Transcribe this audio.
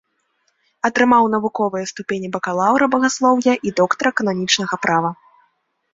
Атрымаў навуковыя ступені бакалаўра багаслоўя і доктара кананічнага права.